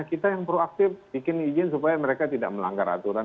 kita yang proaktif bikin izin supaya mereka tidak melanggar aturan